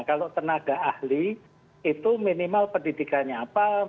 kalau tenaga ahli itu minimal pendidikannya apa